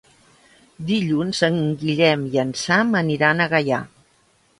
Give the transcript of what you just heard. Dilluns en Guillem i en Sam aniran a Gaià.